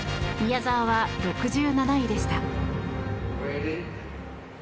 宮沢は６７位でした。